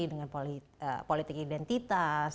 dengan politik identitas